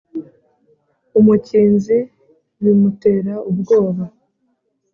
Umukinzi bimutera ubwoba